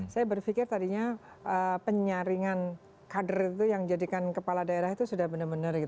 saya berpikir tadinya penyaringan kader itu yang jadikan kepala daerah itu sudah benar benar